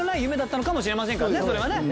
それはね。